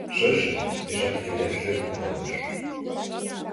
Шыже — пешак чоя шӧртньӧ рывыж.